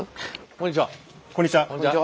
こんにちは。